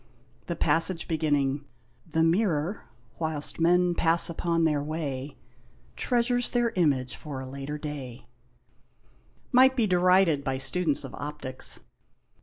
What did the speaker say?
The passage beginning The mirror, whilst men pass upon their way, Treasures their image for a later day, 126 THE INDIAN LAMP SHADE. might be derided by students of optics.